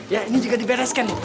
ya ini juga dibereskan